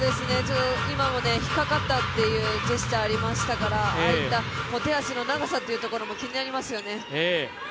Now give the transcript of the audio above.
今も引っ掛かったというジェスチャーありましたからああいった手足の長さというところも気になりますよね。